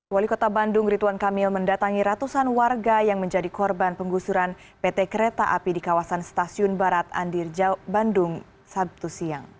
wali kota bandung ridwan kamil mendatangi ratusan warga yang menjadi korban penggusuran pt kereta api di kawasan stasiun barat andirjau bandung sabtu siang